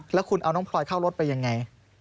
แล้วคุณเอาน้องพลอยเข้ารถไปยังไง